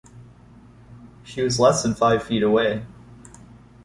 She was less than five feet away.